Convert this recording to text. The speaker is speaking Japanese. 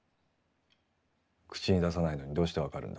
口に出さないのにどうして分かるんだ。